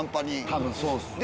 多分そうですよね。